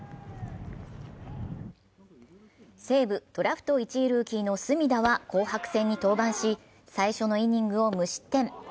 西武ドラフト１位ルーキーの隅田は紅白戦に登板し、最初のイニングを無失点。